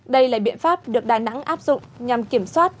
đây là biện pháp được đà nẵng áp dụng nhằm kiểm soát